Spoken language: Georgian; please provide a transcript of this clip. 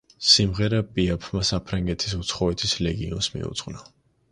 სიმღერა პიაფმა საფრანგეთის უცხოეთის ლეგიონს მიუძღვნა.